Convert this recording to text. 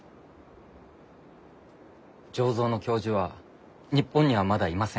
醸造の教授は日本にはまだいません。